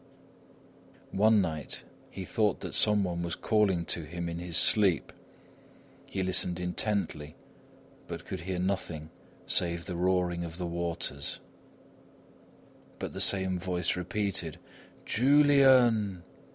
One night he thought that some one was calling to him in his sleep. He listened intently, but could hear nothing save the roaring of the waters. But the same voice repeated: "Julian!"